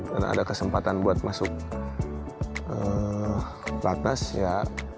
dan ada kesempatan buat masuk latas ya